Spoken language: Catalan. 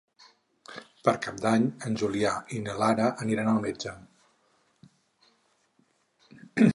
Per Cap d'Any en Julià i na Lara aniran al metge.